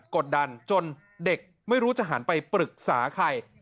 กดดันจนเด็กไม่รู้จะหันไปปรึกษาใคร